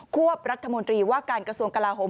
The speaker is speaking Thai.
วบรัฐมนตรีว่าการกระทรวงกลาโหม